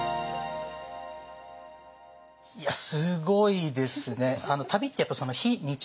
いやすごいですね。